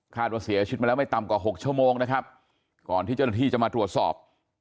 ว่าเสียชีวิตมาแล้วไม่ต่ำกว่าหกชั่วโมงนะครับก่อนที่เจ้าหน้าที่จะมาตรวจสอบ